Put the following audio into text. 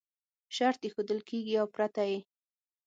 شرط ایښودل کېږي او پرته یې